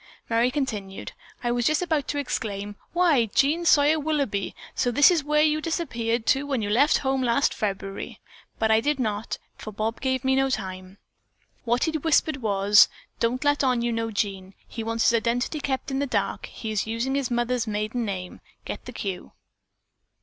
Merry continued: "I was just about to exclaim, 'Why, Jean Sawyer Willoughby, so this is where you disappeared to when you left home last February!' but I did not, for Bob gave me no time. What he whispered was, 'Don't let on you know Jean. He wants his identity kept in the dark. He is using his mother's maiden name. Get the cue?'